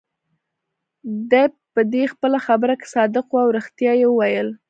دی په دې خپله خبره کې صادق وو، او ريښتیا يې ویل.